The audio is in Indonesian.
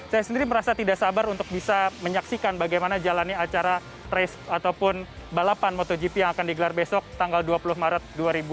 saya sendiri merasa tidak sabar untuk bisa menyaksikan bagaimana jalannya acara race ataupun balapan motogp yang akan digelar besok tanggal dua puluh maret dua ribu dua puluh